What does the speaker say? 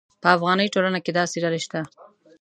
په افغاني ټولنه کې داسې ډلې شته.